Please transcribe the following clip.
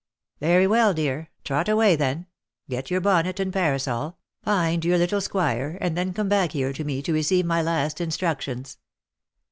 " Very well, dear, trot away then ;— get your bonnet and parasol, OF MICHAEL ARMSTRONG. 143 find your little squire, and then come back here to me to receive my last instructions."